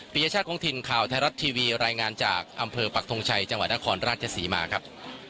ยชาติคงถิ่นข่าวไทยรัฐทีวีรายงานจากอำเภอปักทงชัยจังหวัดนครราชศรีมาครับ